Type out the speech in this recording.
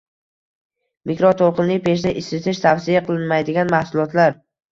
Mikroto‘lqinli pechda isitish tavsiya qilinmaydigan mahsulotlar